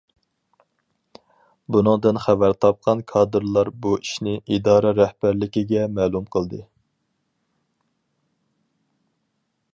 بۇنىڭدىن خەۋەر تاپقان كادىرلار بۇ ئىشنى ئىدارە رەھبەرلىكىگە مەلۇم قىلدى.